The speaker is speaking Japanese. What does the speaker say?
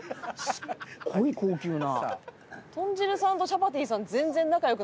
すごい高級な。